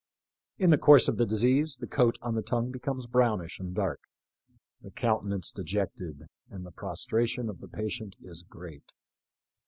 In the course of the disease the coat on the tongue becomes brownish and dark, the counte nance dejected, and the prostration of the patient is great.